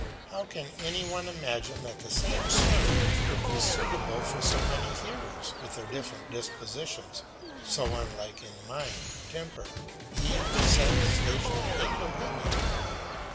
How can any one imagine that the same sermon could be suitable for so many hearers, with their different dispositions, so unlike in mind, temper, age, sex, station, and opinion.